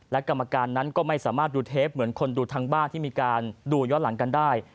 และกรรมการนั้นก็ไม่สามารถดูเทปเหมือนคนดูทางบ้านที่มีการดูย้อนหลังกันได้